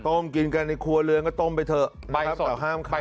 ต้มกินกันในครัวเรืองก็ต้มไปเถอะแต่ห้ามขาย